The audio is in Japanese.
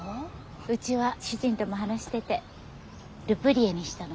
うちは主人とも話しててル・プリエにしたの。